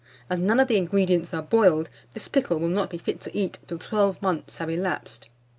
As none of the ingredients are boiled, this pickle will not be fit to eat till 12 months have elapsed.